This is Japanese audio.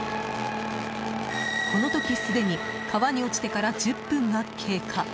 この時、すでに川に落ちてから１０分が経過。